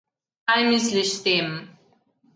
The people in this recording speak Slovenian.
Kaj misliš s tem?